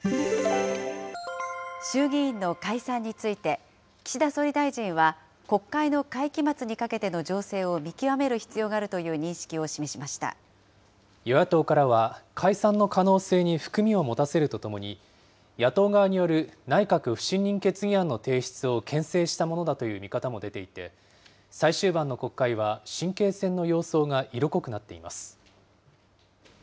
衆議院の解散について、岸田総理大臣は国会の会期末にかけての情勢を見極める必要がある与野党からは、解散の可能性に含みを持たせるとともに、野党側による内閣不信任決議案の提出をけん制したものだという見方も出ていて、最終盤の国会は神経戦の様相が色濃くなっています。